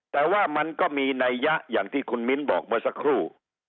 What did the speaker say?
แต่ว่ามันก็มีนัยยะอย่างที่คุณมิ้นบอกเมื่อสักครู่